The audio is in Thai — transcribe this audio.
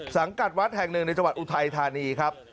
สังกัดวัดแห่งหนึ่งในจังหวัดอุทัยธานีครับ